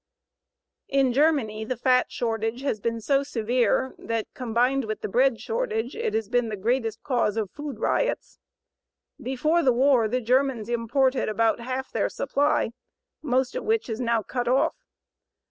In Germany the fat shortage, has been so severe that, combined with the bread shortage, it has been the greatest cause of food riots. Before the war the Germans imported about half their supply, most of which is now cut off.